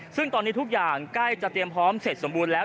ซึ่งตอนนี้ทุกอย่างใกล้จะเตรียมพร้อมเสร็จสมบูรณ์แล้ว